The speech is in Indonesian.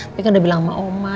tapi kan udah bilang sama oma